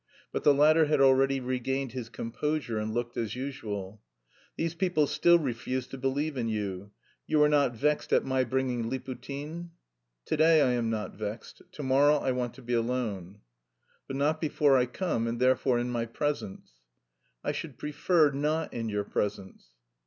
But the latter had already regained his composure and looked as usual. "These people still refuse to believe in you. You are not vexed at my bringing Liputin?" "To day I am not vexed; to morrow I want to be alone." "But not before I come, and therefore in my presence." "I should prefer not in your presence."